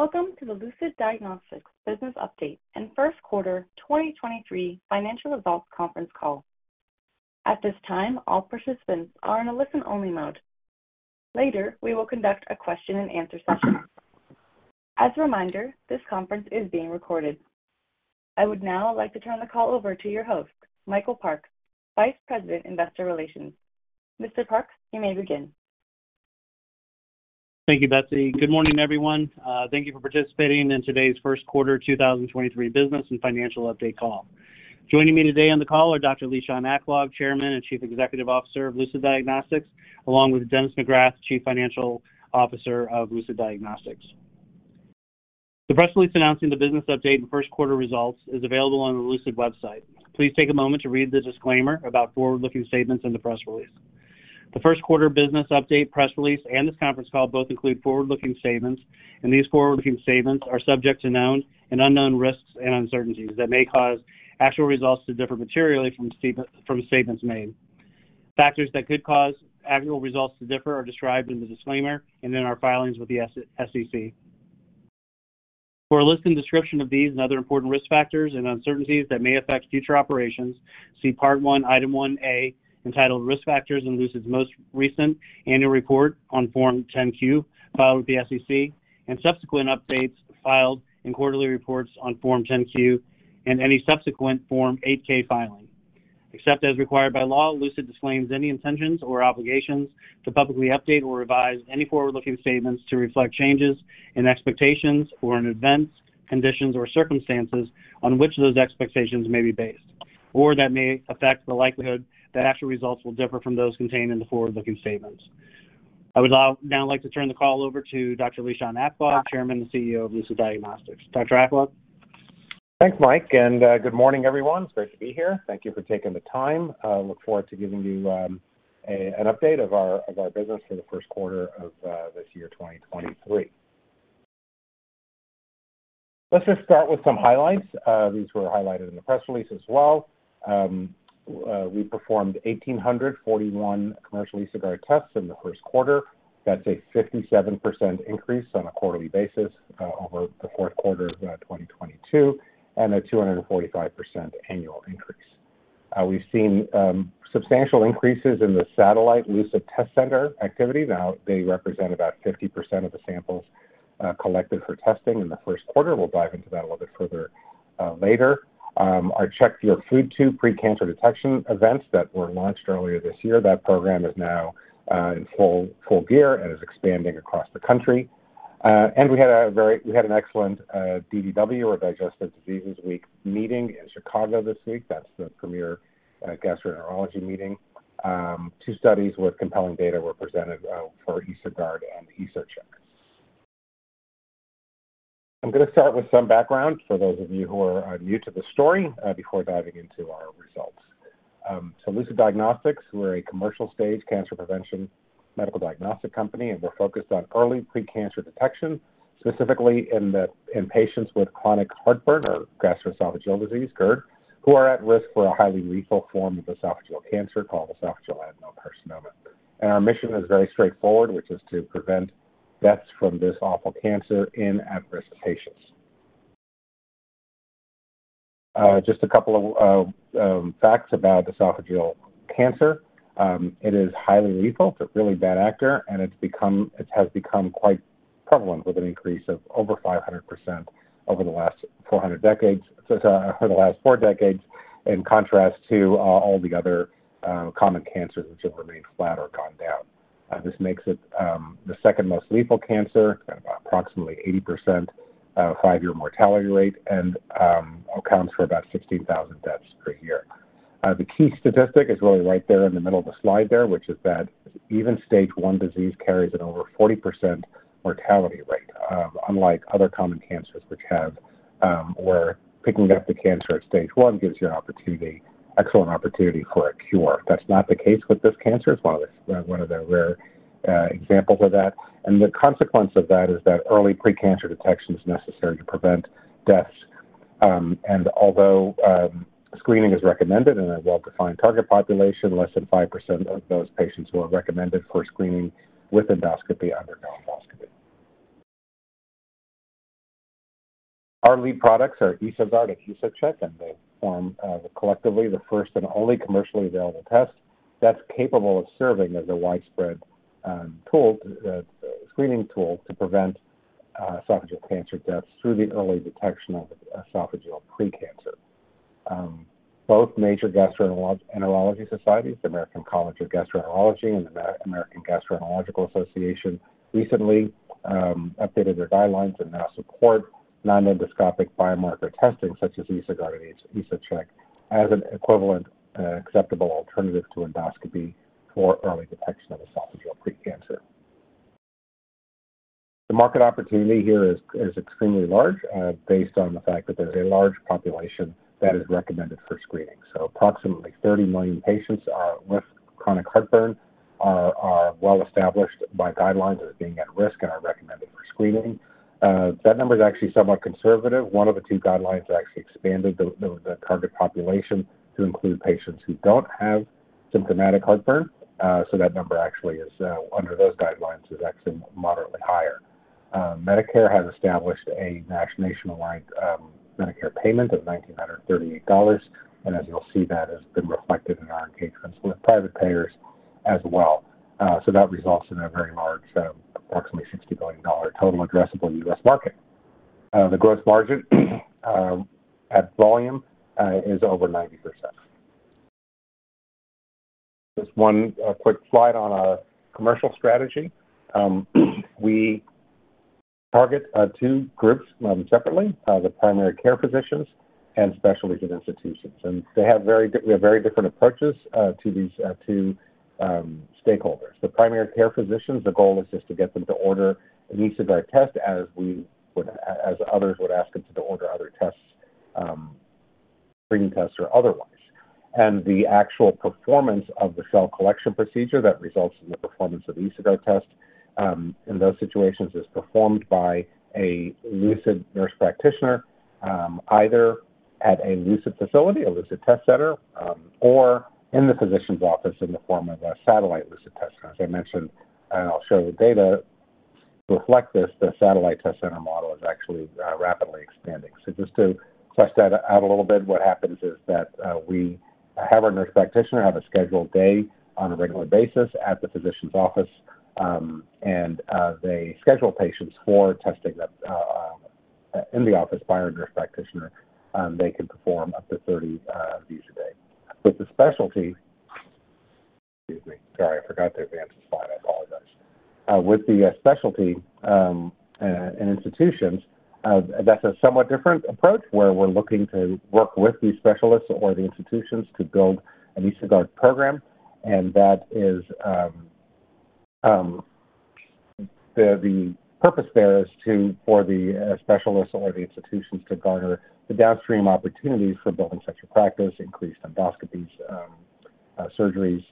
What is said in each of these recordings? Welcome to the Lucid Diagnostics Business Update and First Quarter 2023 Financial Results Conference Call. At this time, all participants are in a listen-only mode. Later, we will conduct a question and answer session. As a reminder, this conference is being recorded. I would now like to turn the call over to your host, Michael Parks, Vice President, Investor Relations. Mr. Parks, you may begin. Thank you, Betsy. Good morning, everyone. Thank you for participating in today's first-quarter 2023 business and financial update call. Joining me today on the call are Dr. Lishan Aklog, Chairman and Chief Executive Officer of Lucid Diagnostics, along with Dennis McGrath, Chief Financial Officer of Lucid Diagnostics. The press release announcing the business update and first-quarter results is available on the Lucid website. Please take a moment to read the disclaimer about forward-looking statements in the press release. The first quarter business update, press release, and this conference call both include forward-looking statements. These forward-looking statements are subject to known and unknown risks and uncertainties that may cause actual results to differ materially from statements made. Factors that could cause annual results to differ are described in the disclaimer and in our filings with the SEC. For a list and description of these and other important risk factors and uncertainties that may affect future operations, see Part I, Item 1A, entitled Risk Factors in Lucid's Most Recent Annual Report on Form 10-Q filed with the SEC and subsequent updates filed in quarterly reports on Form 10-Q and any subsequent Form 8-K filing. Except as required by law, Lucid disclaims any intentions or obligations to publicly update or revise any forward-looking statements to reflect changes in expectations or in events, conditions, or circumstances on which those expectations may be based, or that may affect the likelihood that actual results will differ from those contained in the forward-looking statements. I would now like to turn the call over to Dr. Lishan Aklog, Chairman and CEO of Lucid Diagnostics. Dr. Aklog? Thanks, Mike, and good morning, everyone. It's great to be here. Thank you for taking the time. I look forward to giving you an update of our business for the first quarter of this year, 2023. Let's just start with some highlights. These were highlighted in the press release as well. We performed 1,841 commercial EsoGuard tests in the first quarter. That's a 57% increase on a quarterly basis over the fourth quarter of 2022, and a 245% annual increase. We've seen substantial increases in the satellite Lucid Test Center activity. Now, they represent about 50% of the samples collected for testing in the first quarter. We'll dive into that a little bit further later. Our #CheckYourFoodTube pre-cancer detection events that were launched earlier this year, that program is now in full gear and is expanding across the country. We had an excellent DDW or Digestive Disease Week meeting in Chicago this week. That's the premier gastroenterology meeting. Two studies with compelling data were presented for EsoGuard and EsoCheck. I'm gonna start with some background for those of you who are new to the story before diving into our results. Lucid Diagnostics, we're a commercial-stage cancer prevention medical diagnostic company, and we're focused on early pre-cancer detection, specifically in patients with chronic heartburn or gastroesophageal disease, GERD, who are at risk for a highly lethal form of esophageal cancer called Esophageal Adenocarcinoma. Our mission is very straightforward, which is to prevent deaths from this awful cancer in at-risk patients. Just a couple of facts about esophageal cancer. It is highly lethal. It's a really bad actor, and it has become quite prevalent with an increase of over 500% over the last four decades, in contrast to all the other common cancers which have remained flat or gone down. This makes it the second most lethal cancer at approximately 80%, five-year mortality rate and accounts for about 16,000 deaths per year. The key statistic is really right there in the middle of the slide there, which is that even stage 1 disease carries an over 40% mortality rate, unlike other common cancers which have where picking up the cancer at stage 1 gives you an opportunity, excellent opportunity for a cure. That's not the case with this cancer. It's one of the rare examples of that. The consequence of that is that early pre-cancer detection is necessary to prevent deaths. Although screening is recommended in a well-defined target population, less than 5% of those patients who are recommended for screening with endoscopy undergo endoscopy. Our lead products are EsoGuard and EsoCheck, and they form collectively the first and only commercially available test that's capable of serving as a widespread tool, screening tool to prevent esophageal cancer deaths through the early detection of esophageal pre-cancer. Both major gastroenterology societies, the American College of Gastroenterology and the American Gastroenterological Association, recently updated their guidelines and now support non-endoscopic biomarker testing such as EsoGuard and EsoCheck as an equivalent, acceptable alternative to endoscopy for early detection of esophageal pre-cancer. The market opportunity here is extremely large, based on the fact that there's a large population that is recommended for screening. Approximately 30 million patients with chronic heartburn are well established by guidelines as being at risk and are recommended for screening. That number is actually somewhat conservative. One of the two guidelines actually expanded the target population to include patients who don't have symptomatic heartburn, so that number actually is under those guidelines is actually moderately higher. Medicare has established a nationwide Medicare payment of $1,938. As you'll see, that has been reflected in our engagements with private payers as well. So that results in a very large, approximately $60 billion total addressable U.S. market. The gross margin, at volume, is over 90%. Just one quick slide on our commercial strategy. We target two groups, separately, the primary care physicians and specialty institutions. They have very different approaches to these two stakeholders. The primary care physicians, the goal is just to get them to order an EsoGuard test as others would ask them to order other tests, screening tests or otherwise. The actual performance of the cell collection procedure that results in the performance of EsoGuard test, in those situations, is performed by a Lucid nurse practitioner, either at a Lucid facility, a Lucid Test Center, or in the physician's office in the form of a satellite Lucid Test Center. As I mentioned, and I'll show the data to reflect this, the satellite test center model is actually rapidly expanding. Just to flesh that out a little bit, what happens is that we have our nurse practitioner have a scheduled day on a regular basis at the physician's office, and they schedule patients for testing that in the office by our nurse practitioner. They can perform up to 30 of these a day. Excuse me. Sorry, I forgot to advance the slide. I apologize. With the specialty and institutions, that's a somewhat different approach where we're looking to work with these specialists or the institutions to build an EsoGuard program. That is the purpose there is to, for the specialists or the institutions to garner the downstream opportunities for building such a practice, increased endoscopies, surgeries,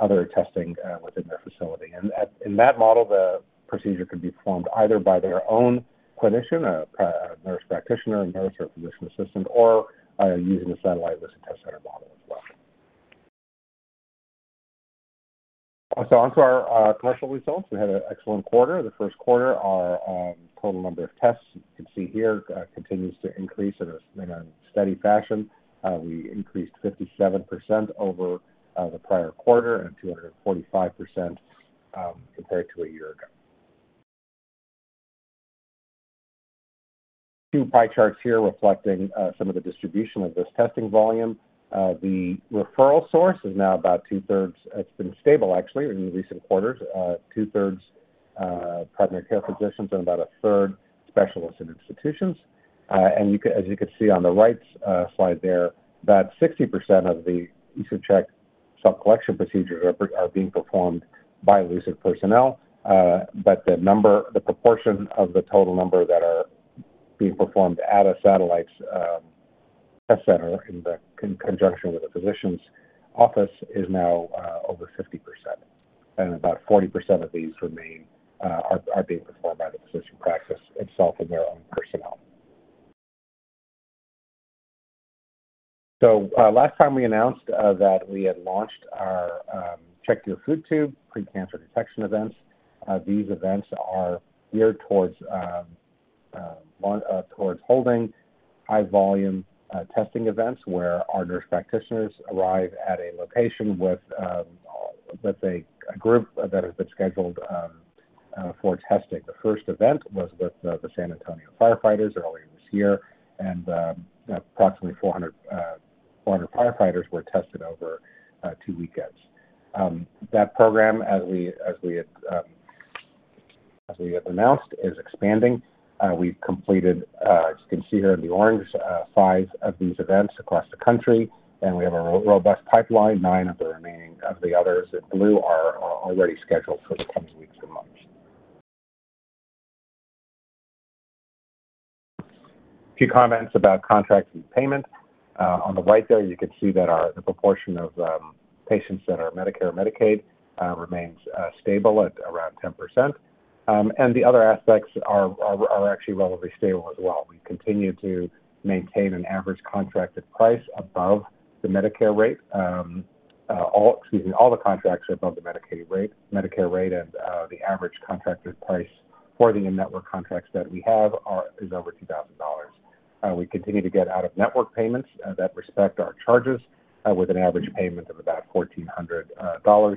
other testing within their facility. In that model, the procedure can be performed either by their own clinician, a nurse practitioner, a nurse or a physician assistant, or using the satellite Lucid Test Center model as well. Onto our commercial results. We had an excellent quarter. The first quarter, our total number of tests, you can see here, continues to increase in a steady fashion. We increased 57% over the prior quarter and 245% compared to a year ago. two pie charts here reflecting some of the distribution of this testing volume. The referral source is now about 2/3. It's been stable actually in recent quarters. 2/3 primary care physicians and about 1/3 specialists and institutions. And as you can see on the right slide there, about 60% of the EsoCheck cell collection procedures are being performed by Lucid personnel. But the number, the proportion of the total number that are being performed at a satellite's test center in conjunction with the physician's office is now over 50%. About 40% of these remain, are being performed by the physician practice itself and their own personnel. Last time we announced that we had launched our #CheckYourFoodTube precancer detection events. These events are geared towards holding high volume testing events where our nurse practitioners arrive at a location with a group that has been scheduled for testing. The first event was with the San Antonio firefighters earlier this year, and approximately 400 firefighters were tested over two weekends. That program, as we had, as we have announced, is expanding. We've completed, as you can see here in the orange, five of these events across the country, and we have a robust pipeline. Nine of the remaining, of the others in blue are already scheduled for the coming weeks and months. A few comments about contracts and payments. On the right there, you can see that our, the proportion of patients that are Medicare or Medicaid, remains stable at around 10%. The other aspects are actually relatively stable as well. We continue to maintain an average contracted price above the Medicare rate. Excuse me, all the contracts are above the Medicaid rate, Medicare rate. The average contracted price for the in-network contracts that we have is over $2,000. We continue to get out-of-network payments that respect our charges with an average payment of about $1,400.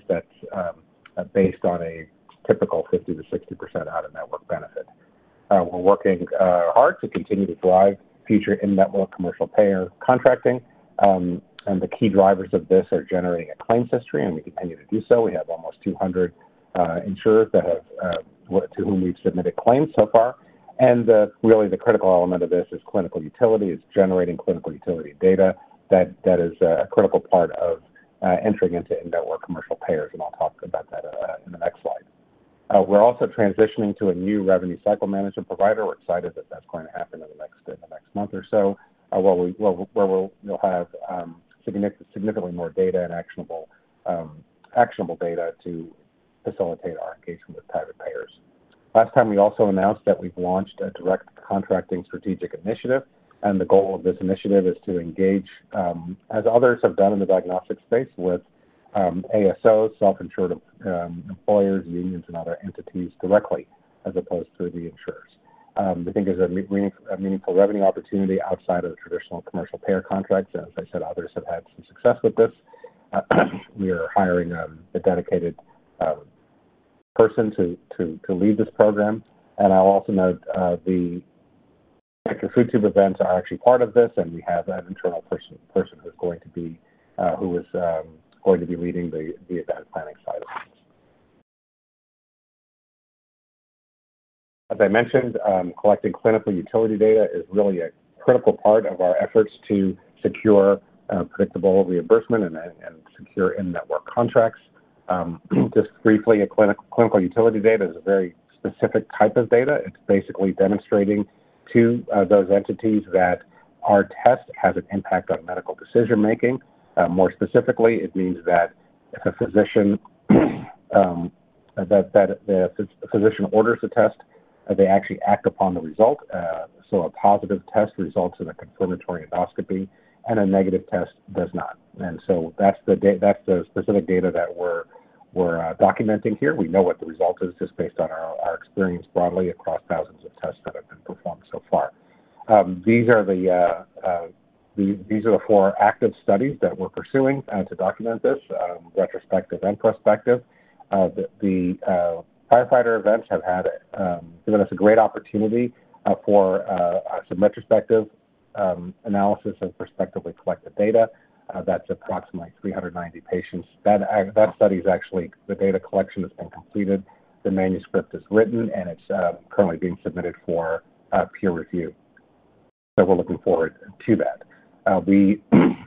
That's based on a typical 50%-60% out-of-network benefit. We're working hard to continue to drive future in-network commercial payer contracting. The key drivers of this are generating a claims history, and we continue to do so. We have almost 200 insurers that have to whom we've submitted claims so far. Really the critical element of this is clinical utility. It's generating clinical utility data that is a critical part of entering into in-network commercial payers, and I'll talk about that in the next slide. We're also transitioning to a new revenue cycle management provider. We're excited that that's going to happen in the next month or so, where we'll have significantly more data and actionable data to facilitate our engagement with private payers. Last time, we also announced that we've launched a direct contracting strategic initiative, and the goal of this initiative is to engage, as others have done in the diagnostic space with ASOs, self-insured employers, unions, and other entities directly as opposed to the insurers. We think there's a meaningful revenue opportunity outside of the traditional commercial payer contracts, and as I said, others have had some success with this. We are hiring a dedicated person to lead this program. I'll also note, the #CheckYourFoodTube events are actually part of this, and we have an internal person who is going to be leading the event planning side of things. As I mentioned, collecting clinical utility data is really a critical part of our efforts to secure predictable reimbursement and secure in-network contracts. Just briefly, clinical utility data is a very specific type of data. It's basically demonstrating to those entities that our test has an impact on medical decision-making. More specifically, it means that if a physician that if the physician orders a test, they actually act upon the result. A positive test results in a confirmatory endoscopy, and a negative test does not. That's the specific data that we're documenting here. We know what the result is just based on our experience broadly across thousands of tests that have been performed so far. These are the four active studies that we're pursuing to document this retrospective and prospective. The firefighter events have had given us a great opportunity for some retrospective analysis of prospectively collected data. That's approximately 390 patients. That study is actually the data collection has been completed. The manuscript is written, and it's currently being submitted for peer review. We're looking forward to that. We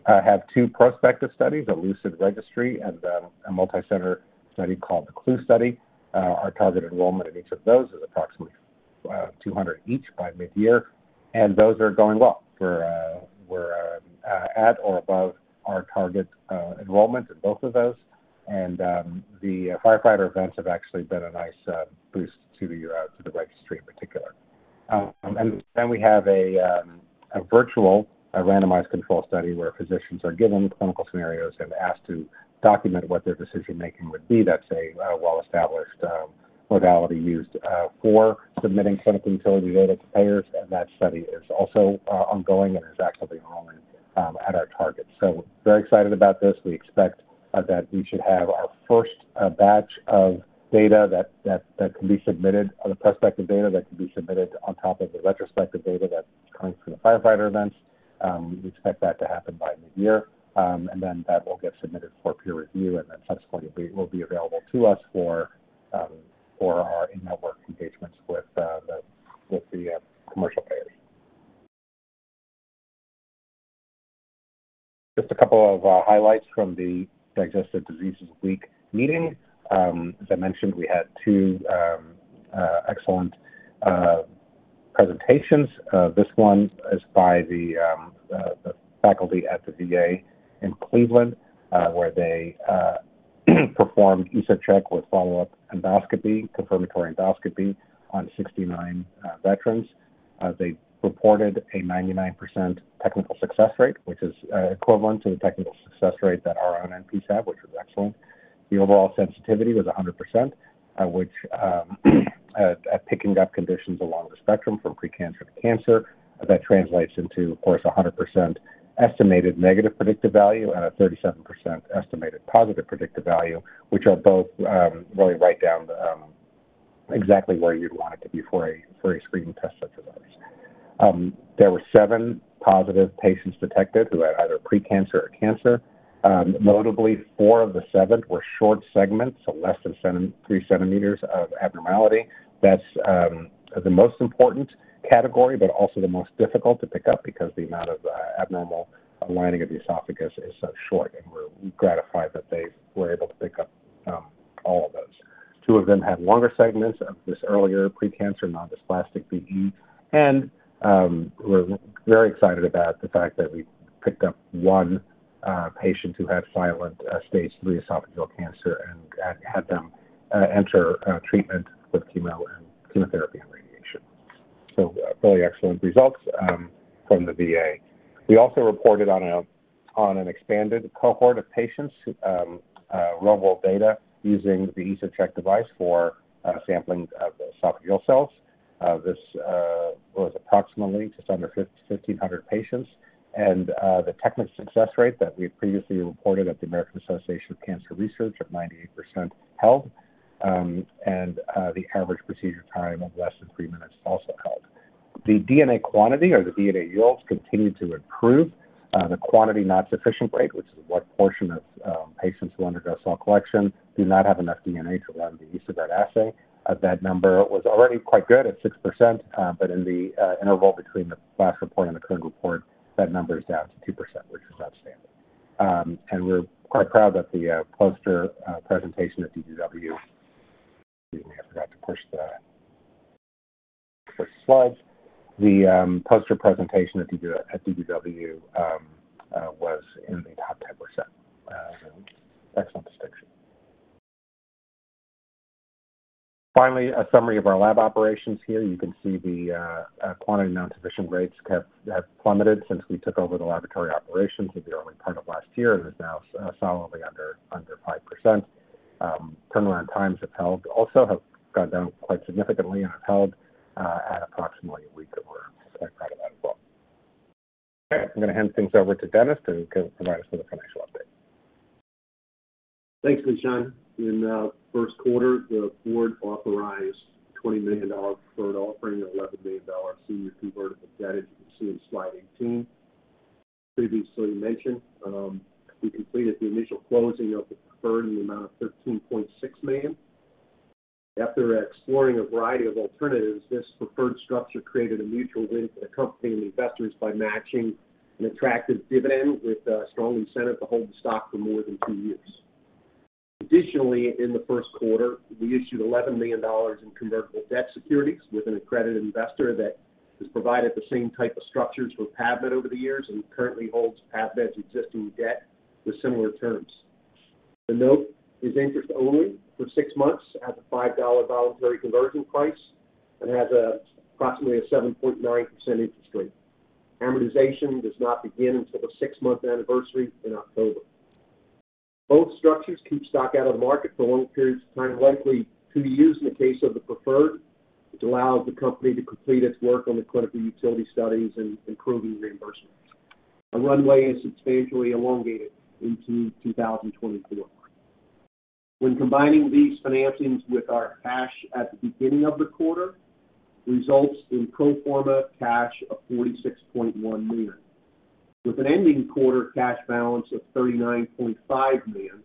have two prospective studies, the Lucid Registry and a multicenter study called the CLUE study. Our target enrollment in each of those is approximately 200 each by mid-year, and those are going well. We're at or above our target enrollment in both of those, and the firefighter events have actually been a nice boost to the registry in particular. We have a virtual randomized control study where physicians are given clinical scenarios and asked to document what their decision-making would be. That's a well-established modality used for submitting clinical utility data to payers, and that study is also ongoing and is actively enrolling at our target. Very excited about this. We expect that we should have our first batch of data that can be submitted, the prospective data that can be submitted on top of the retrospective data that's coming from the firefighter events. We expect that to happen by mid-year, and then that will get submitted for peer review and then subsequently will be available to us for our in-network engagements with the commercial payers. Just a couple of highlights from the Digestive Disease Week meeting. As I mentioned, we had two excellent presentations. This one is by the faculty at the VA in Cleveland, where they performed EsoCheck with follow-up endoscopy, confirmatory endoscopy on 69 veterans. They reported a 99% technical success rate, which is equivalent to the technical success rate that our own NPS have, which was excellent. The overall sensitivity was 100%, which picking up conditions along the spectrum from precancer to cancer. That translates into, of course, 100% estimated negative predictive value and a 37% estimated positive predictive value, which are both really right down exactly where you'd want it to be for a screening test such as ours. There were seven positive patients detected who had either precancer or cancer. Notably, four of the seven were short segments, so less than 3 cm of abnormality. That's the most important category, but also the most difficult to pick up because the amount of abnormal lining of the esophagus is so short, and we're gratified that they were able to pick up all of those. Two of them had longer segments of this earlier pre-cancer, non-dysplastic BE. We're very excited about the fact that we picked up one patient who had silent stage 3 esophageal cancer and had them enter treatment with chemotherapy and radiation. Really excellent results from the VA. We also reported on an expanded cohort of patients who real-world data using the EsoCheck device for sampling of the esophageal cells. This was approximately just under 1,500 patients. The technical success rate that we previously reported at the American Association for Cancer Research of 98% held. The average procedure time of less than three minutes also held. The DNA quantity or the DNA yields continued to improve. The quantity not sufficient rate, which is what portion of patients who undergo cell collection do not have enough DNA to run the use of that assay. That number was already quite good at 6%, but in the interval between the last report and the current report, that number is down to 2%, which is outstanding. We're quite proud that the poster presentation at DDW. Excuse me, I forgot to push the slide. The poster presentation at DDW was in the top 10%. Excellent distinction. Finally, a summary of our lab operations here. You can see the quantity not sufficient rates have plummeted since we took over the laboratory operations in the early part of last year and is now solidly under 5%. Turnaround times also have gone down quite significantly and have held at approximately a week of work. Quite incredible. I'm gonna hand things over to Dennis to provide us with a financial update. Thanks, Lishan. In first quarter, the board authorized $20 million preferred offering and $11 million senior convertible debt, as you can see in slide 18. Previously mentioned, we completed the initial closing of the preferred in the amount of $13.6 million. After exploring a variety of alternatives, this preferred structure created a mutual win for the company and investors by matching an attractive dividend with a strong incentive to hold the stock for more than two years. Additionally, in the first quarter, we issued $11 million in convertible debt securities with an accredited investor that has provided the same type of structures for PAVmed over the years and currently holds PAVmed's existing debt with similar terms. The note is interest only for 6 months at a $5 voluntary conversion price and has approximately a 7.9% interest rate. Amortization does not begin until the six-month anniversary in October. Both structures keep stock out of the market for long periods of time, likely two years in the case of the preferred, which allows the company to complete its work on the clinical utility studies and improving reimbursements. Our runway is substantially elongated into 2024. When combining these financings with our cash at the beginning of the quarter, results in pro forma cash of $46.1 million. With an ending quarter cash balance of $39.5 million,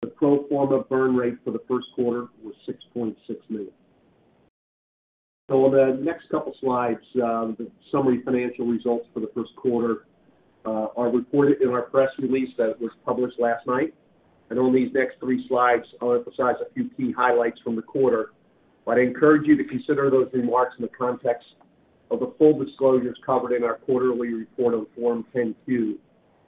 the pro forma burn rate for the first quarter was $6.6 million. On the next couple slides, the summary financial results for the first quarter are reported in our press release that was published last night. On these next three slides, I'll emphasize a few key highlights from the quarter, but I encourage you to consider those remarks in the context of the full disclosures covered in our quarterly report on Form 10-Q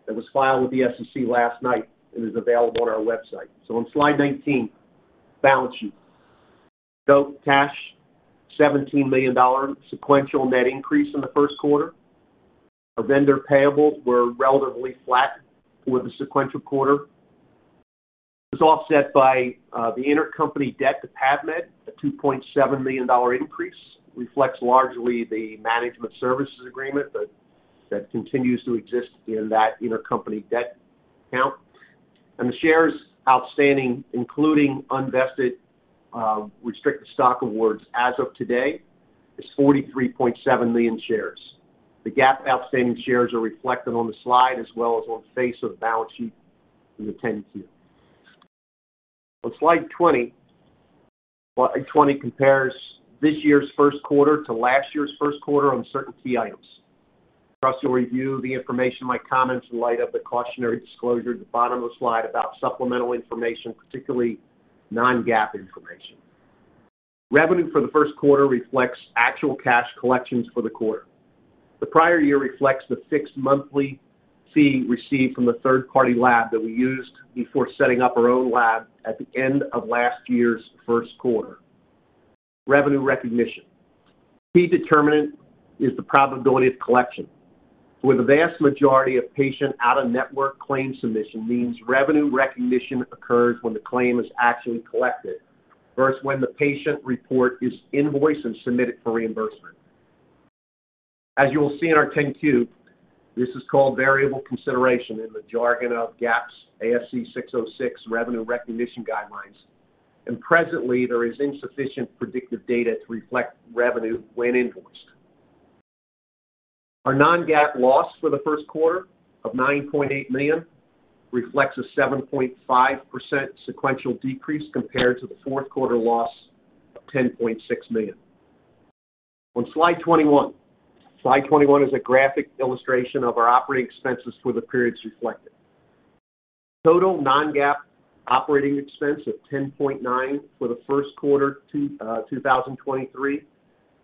that was filed with the SEC last night and is available on our website. On slide 19, balance sheet. Note cash, $17 million sequential net increase in the first quarter. Our vendor payables were relatively flat with the sequential quarter. It was offset by the intercompany debt to PAVmed, a $2.7 million increase, reflects largely the management services agreement that continues to exist in that intercompany debt count. The shares outstanding, including unvested restricted stock awards as of today, is 43.7 million shares. The GAAP outstanding shares are reflected on the slide as well as on face of the balance sheet in the 10-Q. On slide 20, slide 20 compares this year's first quarter to last year's first quarter on certain key items. For us to review the information, my comments in light of the cautionary disclosure at the bottom of the slide about supplemental information, particularly non-GAAP information. Revenue for the first quarter reflects actual cash collections for the quarter. The prior year reflects the fixed monthly fee received from a third-party lab that we used before setting up our own lab at the end of last year's first quarter. Revenue recognition. Key determinant is the probability of collection. With the vast majority of patient out-of-network claim submission means revenue recognition occurs when the claim is actually collected versus when the patient report is invoiced and submitted for reimbursement. As you will see in our 10-Q, this is called variable consideration in the jargon of GAAP's ASC 606 revenue recognition guidelines. Presently, there is insufficient predictive data to reflect revenue when invoiced. Our non-GAAP loss for the first quarter of $9.8 million reflects a 7.5% sequential decrease compared to the fourth quarter loss of $10.6 million. On slide 21. Slide 21 is a graphic illustration of our operating expenses for the periods reflected. Total non-GAAP operating expense of $10.9 million for the first quarter 2023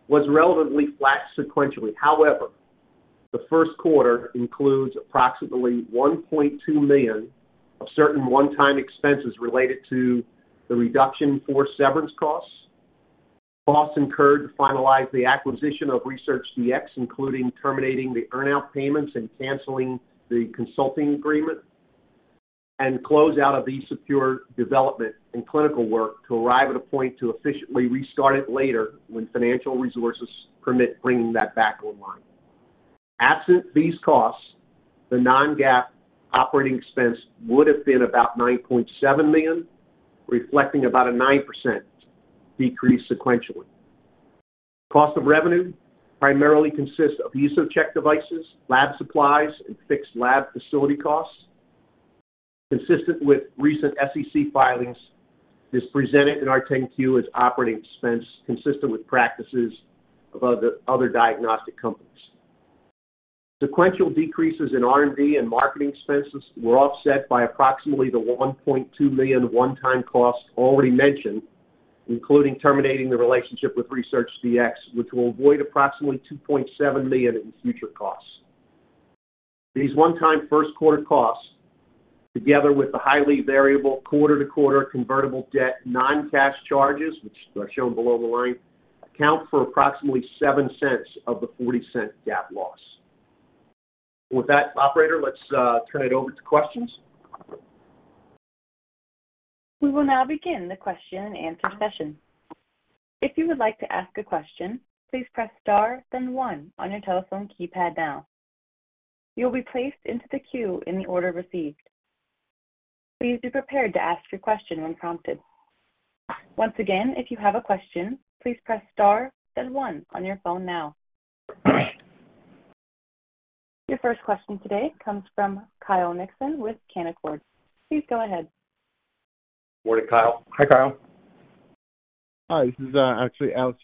was relatively flat sequentially. The first quarter includes approximately $1.2 million of certain one-time expenses related to the reduction for severance costs incurred to finalize the acquisition of ResearchDx, including terminating the earn-out payments and canceling the consulting agreement, and close out of the secure development and clinical work to arrive at a point to efficiently restart it later when financial resources permit bringing that back online. Absent these costs, the non-GAAP operating expense would have been about $9.7 million, reflecting about a 9% decrease sequentially. Cost of revenue primarily consists of EsoCheck devices, lab supplies, and fixed lab facility costs. Consistent with recent SEC filings, is presented in our 10-Q as operating expense consistent with practices of other diagnostic companies. Sequential decreases in R&D and marketing expenses were offset by approximately the $1.2 million one-time cost already mentioned, including terminating the relationship with ResearchDx, which will avoid approximately $2.7 million in future costs. These one-time first quarter costs, together with the highly variable quarter-to-quarter convertible debt non-cash charges, which are shown below the line, account for approximately $0.07 of the $0.40 GAAP loss. With that, operator, let's turn it over to questions. We will now begin the question-and-answer session. If you would like to ask a question, please press star then one on your telephone keypad now. You'll be placed into the queue in the order received. Please be prepared to ask your question when prompted. Once again, if you have a question, please press star then one on your phone now. Your first question today comes from Kyle Nixon with Canaccord. Please go ahead. Morning, Kyle. Hi, Kyle. Hi, this is, actually Alex.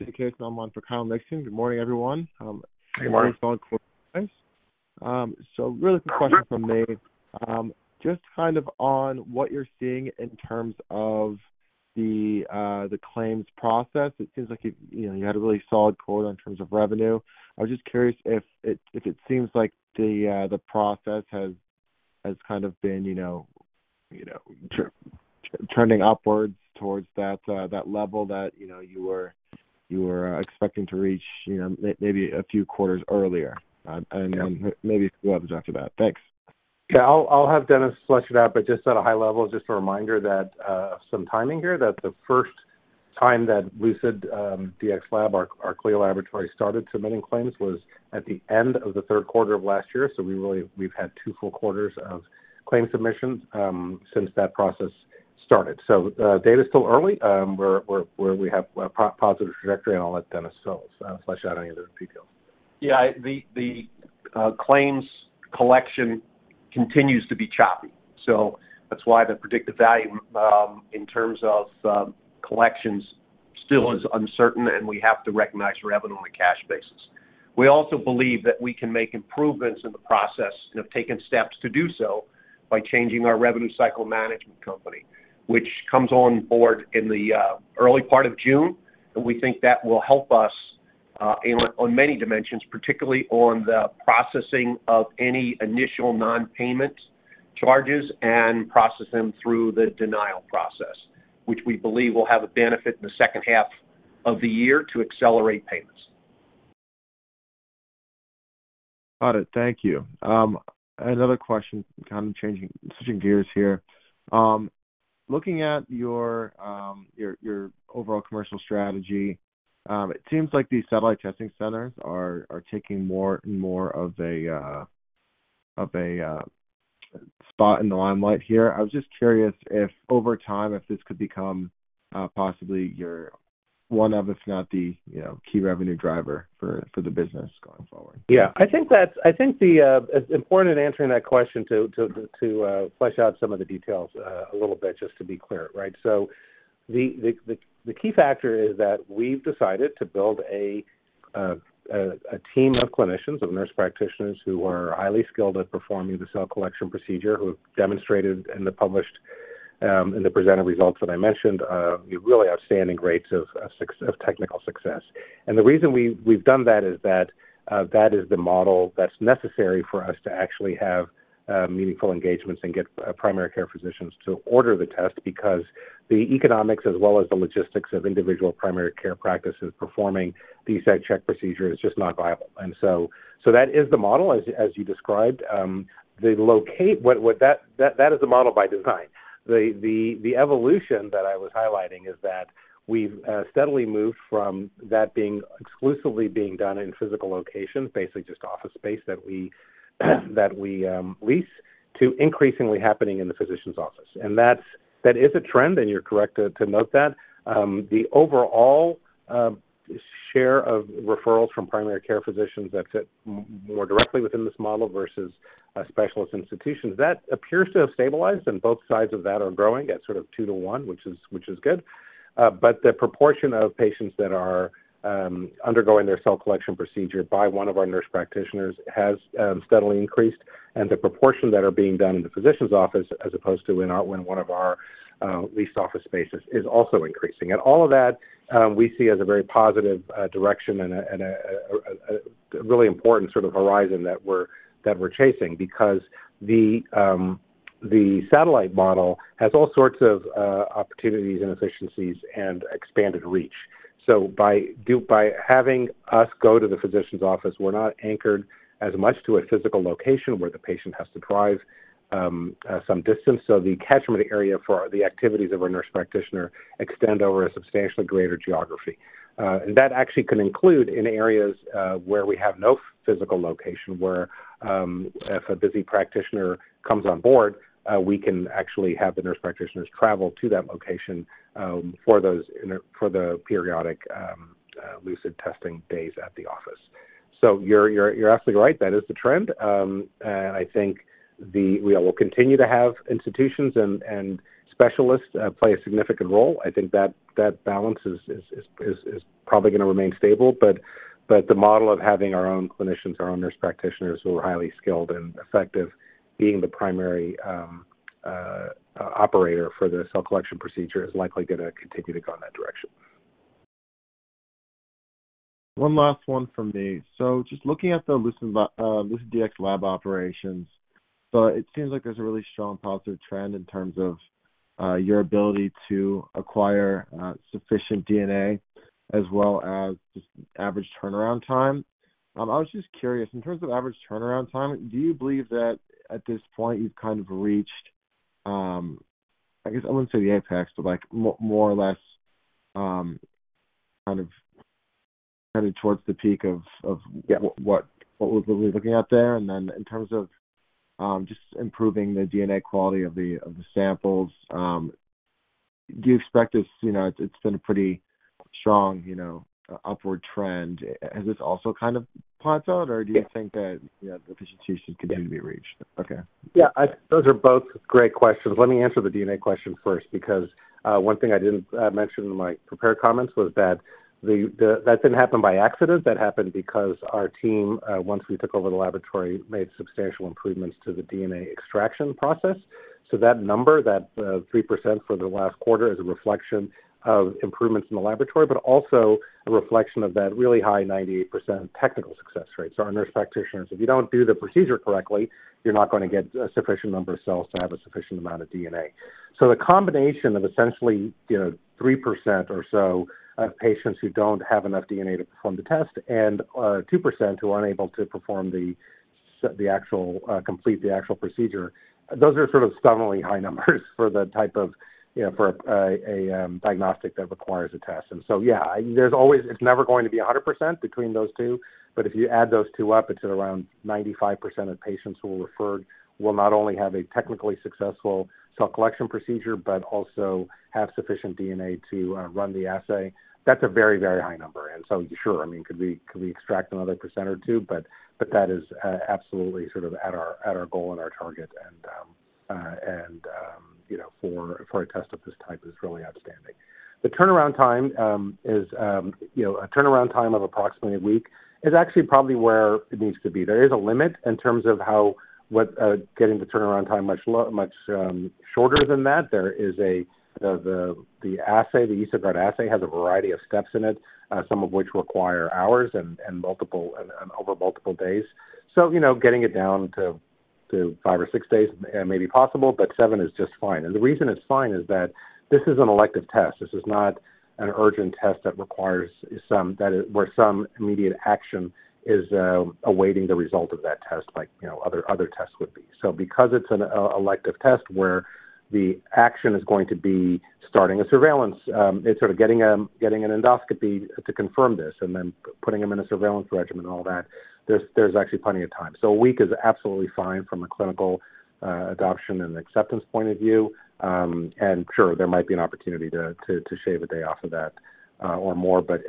Yeah, I'll have Dennis flush it out, but just at a high level, just a reminder that some timing here, that the first time that Lucid DX Lab, our CLIA laboratory, started submitting claims was at the end of the third quarter of last year. We've had two full quarters of claims submissions since that process started. Data's still early. We have a positive trajectory, and I'll let Dennis flush out any other details. Yeah, the claims collection continues to be choppy. That's why the predictive value in terms of collections still is uncertain, and we have to recognize revenue on a cash basis. We also believe that we can make improvements in the process and have taken steps to do so by changing our revenue cycle management company, which comes on board in the early part of June. We think that will help us on many dimensions, particularly on the processing of any initial non-payment charges and process them through the denial process, which we believe will have a benefit in the second half of the year to accelerate payments. Got it. Thank you. Another question, kind of changing, switching gears here. Looking at your overall commercial strategy, it seems like these satellite testing centers are taking more and more of a spot in the limelight here. I was just curious if over time, if this could become, possibly your one of, if not the, you know, key revenue driver for the business going forward. I think the, it's important in answering that question to flesh out some of the details a little bit just to be clear, right? The key factor is that we've decided to build a team of clinicians, of nurse practitioners who are highly skilled at performing the cell collection procedure, who have demonstrated in the published, in the presented results that I mentioned, really outstanding rates of technical success. The reason we've done that is that is the model that's necessary for us to actually have meaningful engagements and get primary care physicians to order the test because the economics as well as the logistics of individual primary care practices performing the Check procedure is just not viable. That is the model, as you described. What that is the model by design. The evolution that I was highlighting is that we've steadily moved from that being exclusively being done in physical locations, basically just office space that we lease, to increasingly happening in the physician's office. That is a trend, and you're correct to note that. The overall share of referrals from primary care physicians that fit more directly within this model versus specialist institutions, that appears to have stabilized, both sides of that are growing at sort of two to one, which is good. The proportion of patients that are undergoing their cell collection procedure by one of our nurse practitioners has steadily increased, and the proportion that are being done in the physician's office as opposed to in one of our leased office spaces is also increasing. All of that we see as a very positive direction and a really important sort of horizon that we're chasing because the satellite model has all sorts of opportunities and efficiencies and expanded reach. By having us go to the physician's office, we're not anchored as much to a physical location where the patient has to drive some distance. The catchment area for the activities of our nurse practitioner extend over a substantially greater geography. That actually can include in areas where we have no physical location, where if a busy practitioner comes on board, we can actually have the nurse practitioners travel to that location for the periodic Lucid testing days at the office. You're absolutely right. That is the trend. I think we will continue to have institutions and specialists play a significant role. I think that balance is probably gonna remain stable. The model of having our own clinicians, our own nurse practitioners who are highly skilled and effective being the primary operator for the cell collection procedure is likely going to continue to go in that direction. One last one from me. Just looking at the Lucid Dx Lab operations, it seems like there's a really strong positive trend in terms of your ability to acquire sufficient DNA as well as just average turnaround time. I was just curious, in terms of average turnaround time, do you believe that at this point you've kind of reached, I guess I wouldn't say the apex, but more or less, kind of towards the peak of what we're really looking at there. In terms of just improving the DNA quality of the samples, do you expect this, you know, it's been a pretty strong, you know, upward trend? Has this also kind of plateaued? or do you think the efficiency can continue to be reached? Yeah. Those are both great questions. Let me answer the DNA question first, because one thing I didn't mention in my prepared comments was that didn't happen by accident. That happened because our team, once we took over the laboratory, made substantial improvements to the DNA extraction process. That number, that 3% for the last quarter is a reflection of improvements in the laboratory, but also a reflection of that really high 98% technical success rate. Our nurse practitioners, if you don't do the procedure correctly, you're not going to get a sufficient number of cells to have a sufficient amount of DNA. The combination of essentially, you know, 3% or so of patients who don't have enough DNA to perform the test and 2% who are unable to perform the actual complete the actual procedure, those are sort of stunningly high numbers for the type of, you know, for a diagnostic that requires a test. Yeah, it's never going to be 100% between those two. If you add those two up, it's at around 95% of patients who are referred will not only have a technically successful cell collection procedure, but also have sufficient DNA to run the assay. That's a very, very high number. Sure, I mean, could we extract another 1% or 2%, but that is absolutely sort of at our, at our goal and our target and, you know, for a test of this type is really outstanding. The turnaround time is, you know, a turnaround time of approximately a week is actually probably where it needs to be. There is a limit in terms of what getting the turnaround time much shorter than that. There is the assay, the EsoGuard assay has a variety of steps in it, some of which require hours and multiple and over multiple days. You know, getting it down to five or six days may be possible, but seven is just fine. The reason it's fine is that this is an elective test. This is not an urgent test that requires where some immediate action is awaiting the result of that test, like, you know, other tests would be. Because it's an elective test where the action is going to be starting a surveillance, it's sort of getting an endoscopy to confirm this and then putting them in a surveillance regimen and all that. There's actually plenty of time. A week is absolutely fine from a clinical adoption and acceptance point of view. Sure, there might be an opportunity to shave a day off of that or more, but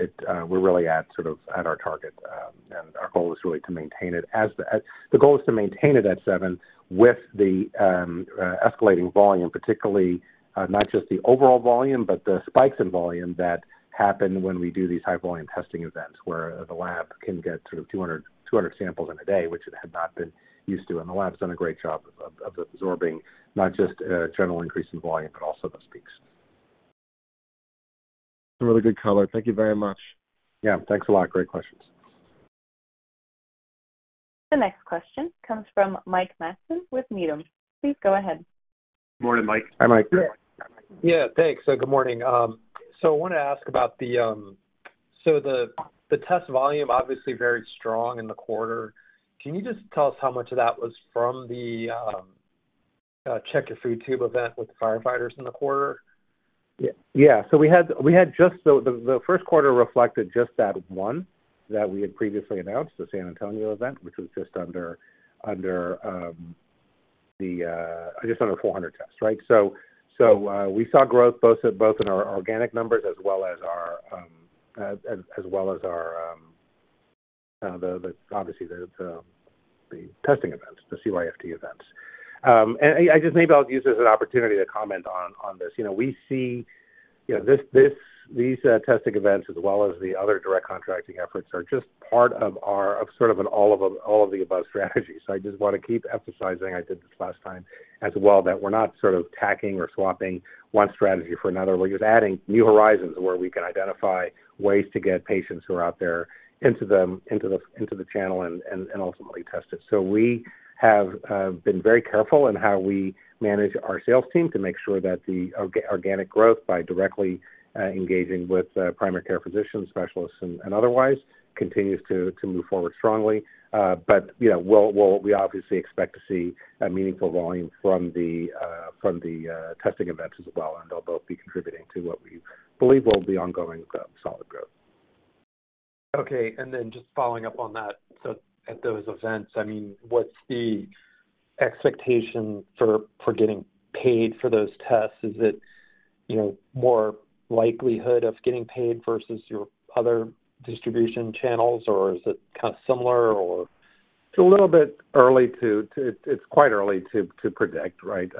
we're really at sort of at our target. Our goal is really to maintain it. The goal is to maintain it at seven with the escalating volume, particularly not just the overall volume, but the spikes in volume that happen when we do these high volume testing events where the lab can get sort of 200 samples in a day, which it had not been used to. The lab's done a great job of absorbing not just a general increase in volume, but also those peaks. Some really good color. Thank you very much. Yeah. Thanks a lot. Great questions. The next question comes from Mike Matson with Needham. Please go ahead. Morning, Mike. Hi, Mike. Yeah. Thanks. Good morning. I want to ask about the #CheckYourFoodTube event with the firefighters in the quarter? We had just the first quarter reflected just that one that we had previously announced, the San Antonio event, which was just under the just under 400 tests, right? We saw growth both in our organic numbers as well as our the obviously the testing events, the CYFT events. I just maybe I'll use this as an opportunity to comment on this. You know, we see, you know, these testing events as well as the other direct contracting efforts are just part of our, of sort of an all of the above strategy. I just want to keep emphasizing, I did this last time as well, that we're not sort of tacking or swapping one strategy for another. We're just adding new horizons where we can identify ways to get patients who are out there into the channel and ultimately test it. We have been very careful in how we manage our sales team to make sure that the organic growth by directly engaging with primary care physicians, specialists, and otherwise, continues to move forward strongly. You know, we obviously expect to see a meaningful volume from the testing events as well, and they'll both be contributing to what we believe will be ongoing growth, solid growth. Just following up on that, so at those events, I mean, what's the expectation for getting paid for those tests? Is it, you know, more likelihood of getting paid versus your other distribution channels, or is it kind of similar or? It's quite early to predict, right?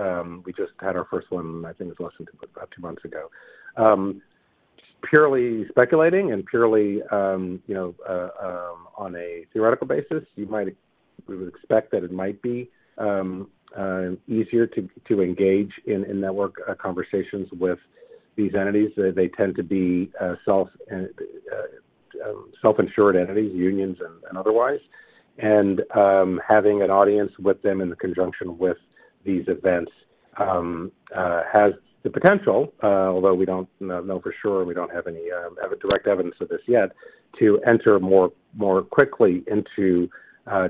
We just had our first one, I think it was less than about two months ago. Purely speculating and purely, you know, on a theoretical basis, we would expect that it might be easier to engage in in-network conversations with these entities. They tend to be self-insured entities, unions and otherwise. Having an audience with them in conjunction with these events has the potential, although we don't know for sure, we don't have any have a direct evidence of this yet, to enter more quickly into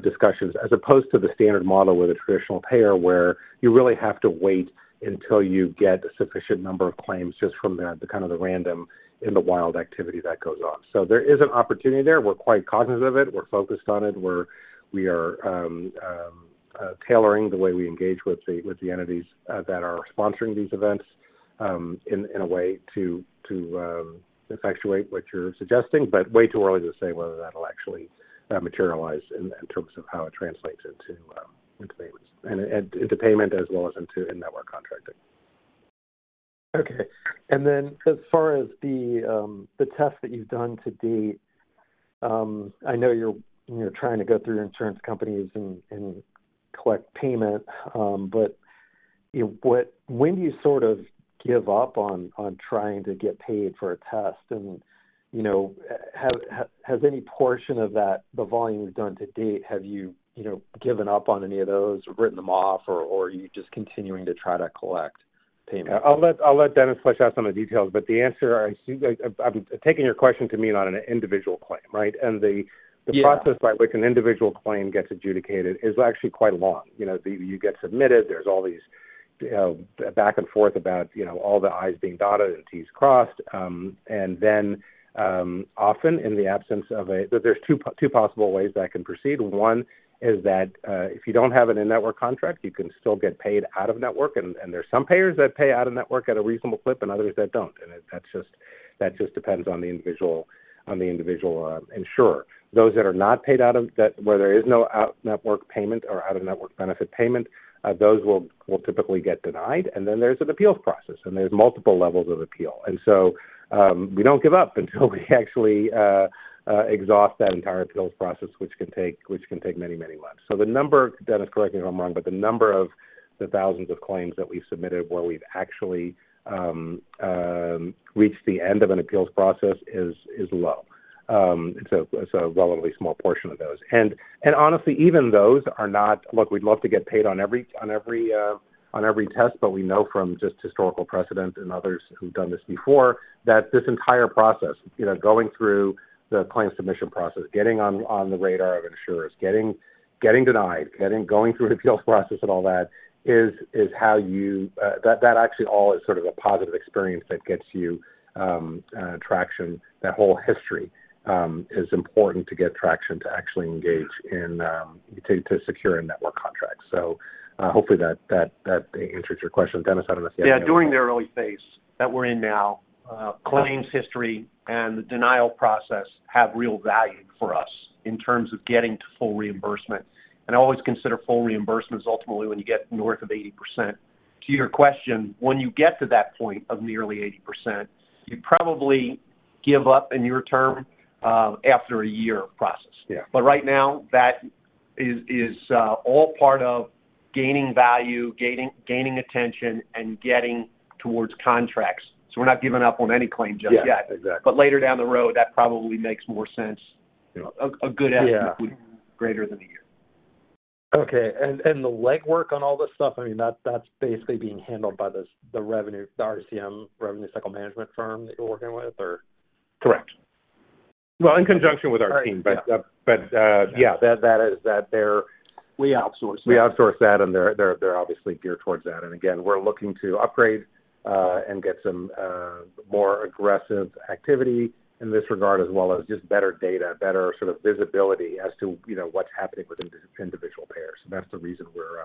discussions as opposed to the standard model with a traditional payer where you really have to wait until you get a sufficient number of claims just from the kind of the random in the wild activity that goes on. There is an opportunity there. We're quite cognizant of it. We're focused on it. We are tailoring the way we engage with the, with the entities that are sponsoring these events, in a way to effectuate what you're suggesting, but way too early to say whether that'll actually materialize in terms of how it translates into payments. Into payment as well as into in-network contracting. Okay. As far as the test that you've done to date, I know you're trying to go through insurance companies and collect payment, but, you know, when do you sort of give up on trying to get paid for a test? You know, has any portion of that, the volume you've done to date, have you know, given up on any of those or written them off or are you just continuing to try to collect payment? I'll let Dennis flesh out some of the details, but the answer I see... I'm taking your question to mean on an individual claim, right? The process by which an individual claim gets adjudicated is actually quite long. You know, you get submitted, there's all these, you know, back and forth about, you know, all the I's being dotted and T's crossed. Then, often, there's two possible ways that can proceed. One is that if you don't have an in-network contract, you can still get paid out-of-network, and there's some payers that pay out-of-network at a reasonable clip and others that don't. That just depends on the individual insurer. Those that are not paid where there is no out-network payment or out-of-network benefit payment, those will typically get denied. Then there's an appeals process, and there's multiple levels of appeal. We don't give up until we actually exhaust that entire appeals process, which can take many, many months. The number, Dennis, correct me if I'm wrong, but the number of the thousands of claims that we've submitted where we've actually reached the end of an appeals process is low. It's a relatively small portion of those. Honestly, even those are not. Look, we'd love to get paid on every on every test, but we know from just historical precedent and others who've done this before that this entire process, you know, going through the claim submission process, getting on the radar of insurers, getting denied, going through appeals process and all that is how you. That actually all is sort of a positive experience that gets you traction. That whole history is important to get traction to actually engage in to secure in-network contracts. Hopefully that answers your question. Dennis, I don't know if you have anything... Yeah. During the early phase that we're in now claims history and the denial process have real value for us in terms of getting to full reimbursement. I always consider full reimbursement is ultimately when you get north of 80%. To your question, when you get to that point of nearly 80%, you probably give up in your term, after a year of process. Right now that is all part of gaining value, gaining attention, and getting towards contracts. We're not giving up on any claim just yet. Yeah. Exactly. Later down the road, that probably makes more sense. A good estimate would be greater than a year. Okay. And the legwork on all this stuff, I mean, that's basically being handled by this, the revenue, the RCM, revenue cycle management firm that you're working with or? Correct. In conjunction with our team. Yeah. That is... That they're- We outsource that. We outsource that. They're obviously geared towards that. Again, we're looking to upgrade and get some more aggressive activity in this regard, as well as just better data, better sort of visibility as to, you know, what's happening with individual payers. That's the reason we're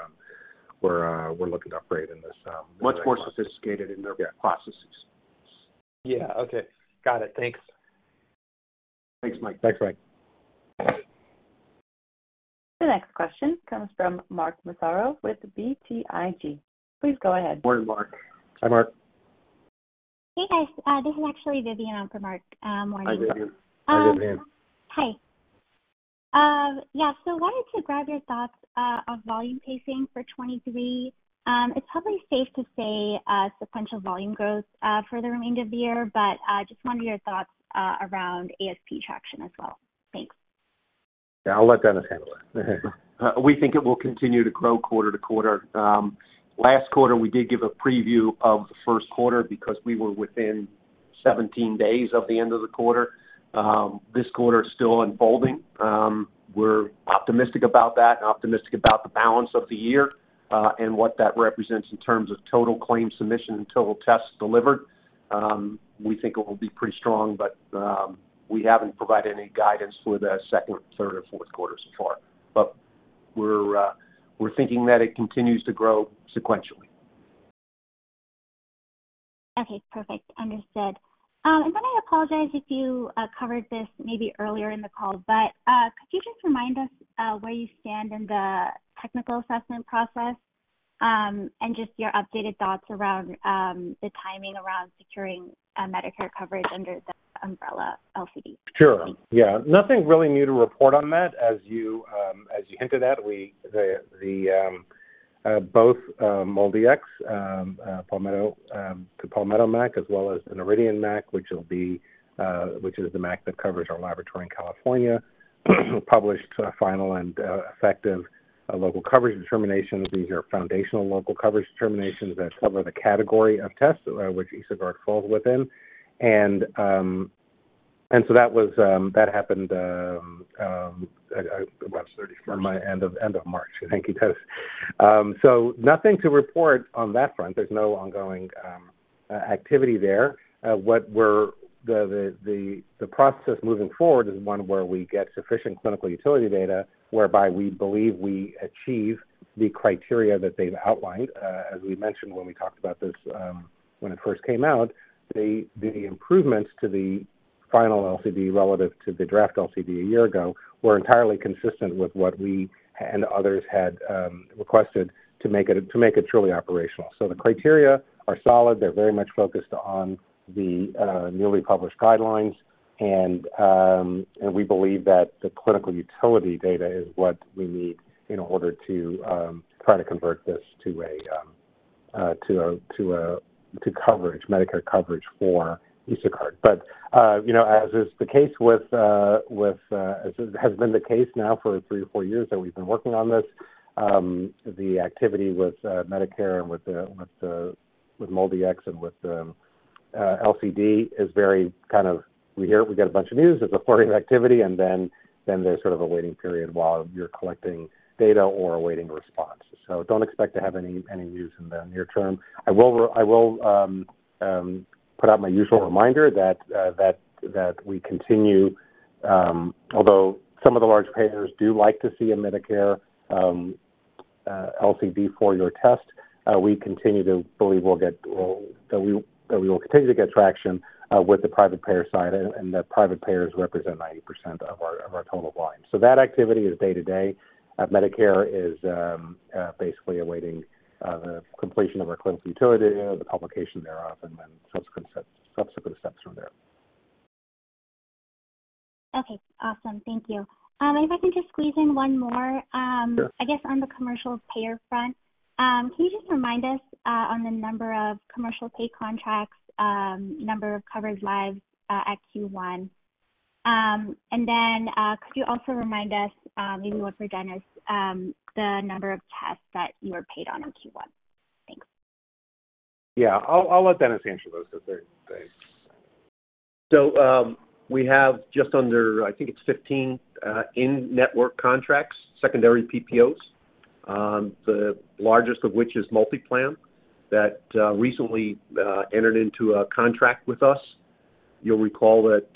looking to upgrade in this in the near term- Much more sophisticated in their processes. Yeah. Okay. Got it. Thanks. Thanks, Mike. Thanks, Mike. The next question comes from Mark Massaro with BTIG. Please go ahead. Morning, Mark. Hi, Mark. Hey, guys. This is actually Vivian on for Mark. Morning. Hi, Vivian. Hi, Vivian. Hi. Yeah. Wanted to grab your thoughts on volume pacing for 2023. It's probably safe to say sequential volume growth for the remainder of the year, but just wanted your thoughts around ASP traction as well. Thanks. Yeah. I'll let Dennis handle that. We think it will continue to grow quarter to quarter. Last quarter, we did give a preview of the first quarter because we were within 17 days of the end of the quarter. This quarter is still unfolding. We're optimistic about that and optimistic about the balance of the year, and what that represents in terms of total claims submission and total tests delivered. We think it will be pretty strong, but we haven't provided any guidance for the second, third, or fourth quarter so far. We're thinking that it continues to grow sequentially. Okay. Perfect. Understood. I apologize if you covered this maybe earlier in the call, but could you just remind us where you stand in the technical assessment process, and just your updated thoughts around the timing around securing Medicare coverage under the umbrella LCD? Sure. Yeah. Nothing really new to report on that. As you, as you hinted at, both, MolDX, Palmetto, the Palmetto MAC, as well as Noridian MAC, which is the MAC that covers our laboratory in California, published a final and effective local coverage determinations. These are foundational local coverage determinations that cover the category of tests, which EsoGuard falls within. So that was, that happened. About 31st. End of March. Thank you, Dennis. Nothing to report on that front. There's no ongoing activity there. The process moving forward is one where we get sufficient clinical utility data whereby we believe we achieve the criteria that they've outlined. As we mentioned when we talked about this, when it first came out, the improvements to the final LCD relative to the draft LCD a year ago were entirely consistent with what we and others had requested to make it, to make it truly operational. The criteria are solid. They're very much focused on the newly published guidelines, and we believe that the clinical utility data is what we need in order to try to convert this to a, to coverage, Medicare coverage for EsoGuard. You know, as is the case with, as has been the case now for the three-four years that we've been working on this, the activity with Medicare and with the MolDX and with the LCD is very kind of, we hear it, we get a bunch of news, there's a flurry of activity, and then there's sort of a waiting period while you're collecting data or awaiting a response. Don't expect to have any news in the near term. I will put out my usual reminder that we continue, although some of the large payers do like to see a Medicare LCD for your test, we continue to believe we will continue to get traction with the private payer side and that private payers represent 90% of our total volume. That activity is day to day. Medicare is basically awaiting the completion of our clinical utility, the publication thereof, and then subsequent steps from there. Okay. Awesome. Thank you. If I can just squeeze in one more. I guess on the commercial payer front, can you just remind us on the number of commercial pay contracts, number of covers lives at Q1? Could you also remind us, maybe one for Dennis, the number of tests that you were paid on in Q1? Thanks. Yeah. I'll let Dennis answer those. We have just under, I think it's 15 in-network contracts, secondary PPOs, the largest of which is MultiPlan that recently entered into a contract with us. You'll recall that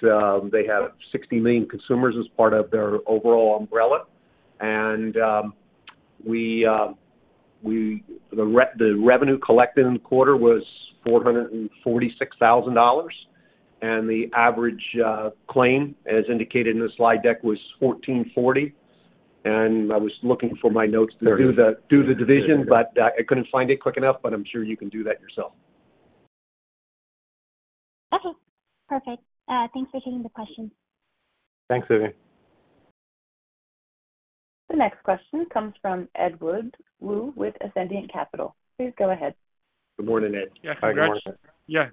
they have 60 million consumers as part of their overall umbrella. The revenue collected in the quarter was $446,000, and the average claim, as indicated in the slide deck, was $1,440. I was looking for my notes to do the division, I couldn't find it quick enough, but I'm sure you can do that yourself. Okay. Perfect. Thanks for taking the question. Thanks, Vivian. The next question comes from Edward Wu with Ascendiant Capital. Please go ahead. Good morning, Ed. Yeah.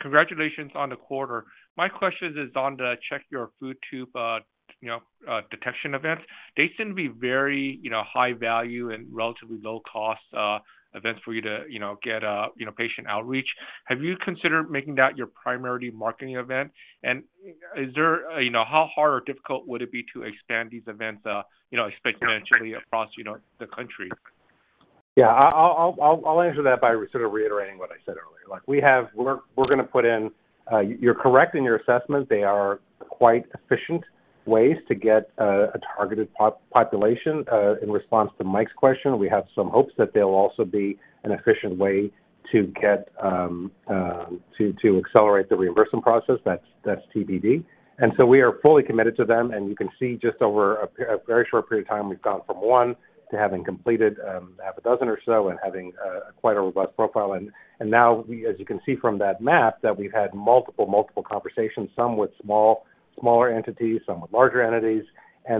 Congratulations on the quarter. My question is on the #CheckYourFoodTube detection event. They seem to be very high value and relatively low cost events for you to get patient outreach. Have you considered making that your primary marketing event? How hard or difficult would it be to expand these events exponentially across the country? Yeah. I'll answer that by sort of reiterating what I said earlier. Like, we're gonna put in. You're correct in your assessment. They are quite efficient ways to get a targeted population. In response to Mike's question, we have some hopes that they'll also be an efficient way to get to accelerate the reimbursement process. That's TBD. We are fully committed to them, and you can see just over a very short period of time, we've gone from one to having completed half a dozen or so and having quite a robust profile. Now as you can see from that map, that we've had multiple conversations, some with smaller entities, some with larger entities.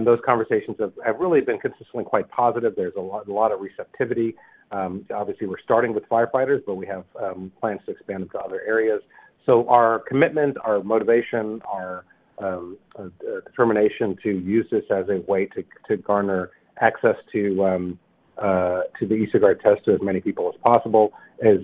Those conversations have really been consistently quite positive. There's a lot of receptivity. Obviously, we're starting with firefighters, but we have plans to expand into other areas. Our commitment, our motivation, our determination to use this as a way to garner access to the EsoGuard test to as many people as possible is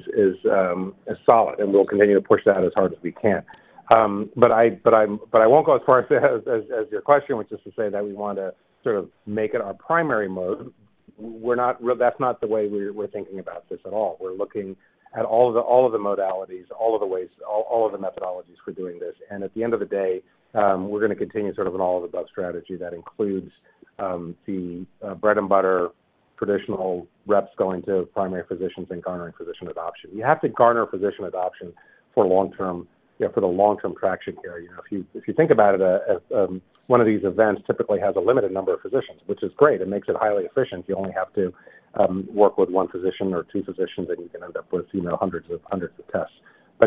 solid, and we'll continue to push that as hard as we can. I won't go as far as your question, which is to say that we wanna sort of make it our primary mode. We're not, that's not the way we're thinking about this at all. We're looking at all of the modalities, all of the ways, all of the methodologies for doing this. At the end of the day, we're gonna continue sort of an all-of-the-above strategy that includes the bread and butter traditional reps going to primary physicians and garnering physician adoption. You have to garner physician adoption for long-term, you know, for the long-term traction here. You know, if you, if you think about it, one of these events typically has a limited number of physicians, which is great. It makes it highly efficient. You only have to work with one physician or two physicians, and you can end up with, you know, hundreds of tests.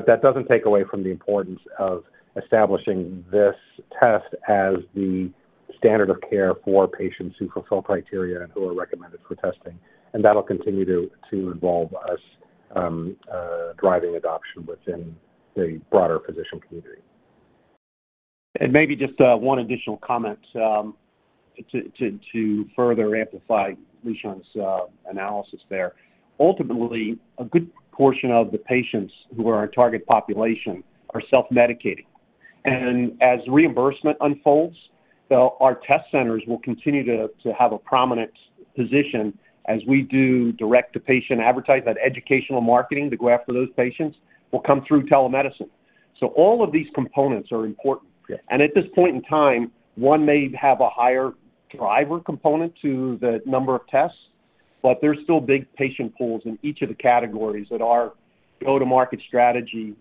That doesn't take away from the importance of establishing this test as the standard of care for patients who fulfill criteria and who are recommended for testing. That'll continue to involve us driving adoption within the broader physician community. Maybe just one additional comment to further amplify Lishan's analysis there. Ultimately, a good portion of the patients who are our target population are self-medicating. As reimbursement unfolds, our test centers will continue to have a prominent position as we do direct-to-patient advertise, that educational marketing to go after those patients will come through telemedicine. All of these components are important. At this point in time, one may have a higher driver component to the number of tests, but there's still big patient pools in each of the categories that our go-to-market strategy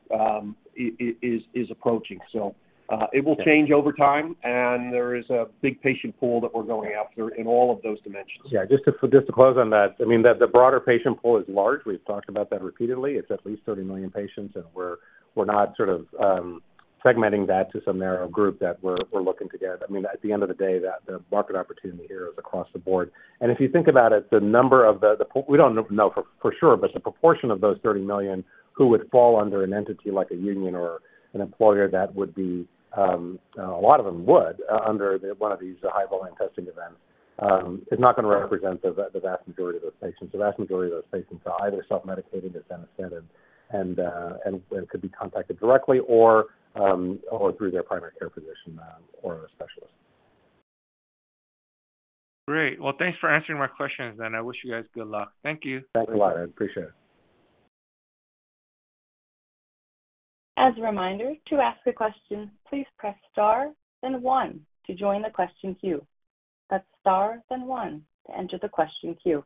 is approaching. It will change over time, and there is a big patient pool that we're going after in all of those dimensions. Yeah. Just to close on that, I mean, the broader patient pool is large. We've talked about that repeatedly. It's at least 30 million patients, we're not sort of segmenting that to some narrow group that we're looking to get. I mean, at the end of the day, the market opportunity here is across the board. If you think about it, the number of we don't know for sure, but the proportion of those 30 million who would fall under an entity like a union or an employer, that would be a lot of them would under one of these high-volume testing events, is not gonna represent the vast majority of those patients. The vast majority of those patients are either self-medicating, as Ben said, and could be contacted directly or through their primary care physician or a specialist. Great. Thanks for answering my questions, and I wish you guys good luck. Thank you. Thanks a lot. I appreciate it. As a reminder, to ask a question, please press star then one to join the question queue. That's star then one to enter the question queue.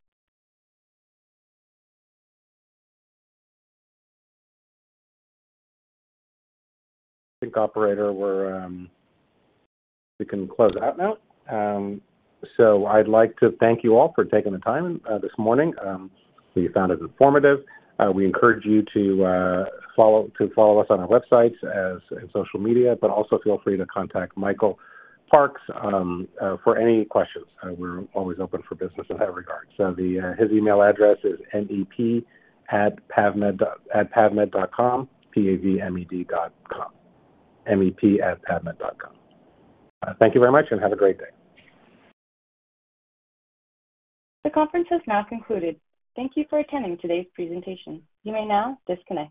Operator, we can close out now. I'd like to thank you all for taking the time this morning. We found it informative. We encourage you to follow us on our websites and social media, but also feel free to contact Michael Parks for any questions. We're always open for business in that regard. His email address is mep@pavmed.com, P-A-V-M-E-D.com, mep@pavmed.com. Thank you very much and have a great day. The conference has now concluded. Thank you for attending today's presentation. You may now disconnect.